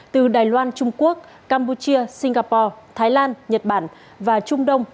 từ đài loan trung quốc campuchia singapore thái lan nhật bản và trung đông